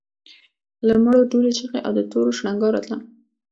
له مړو دوړو چيغې او د تورو شرنګا راتله.